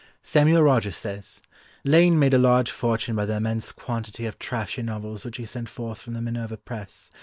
Samuel Rogers says, "Lane made a large fortune by the immense quantity of trashy novels which he sent forth from the Minerva press.